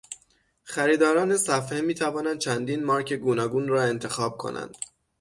خریداران صفحه میتوانند چندین مارک گوناگون را انتخاب کنند.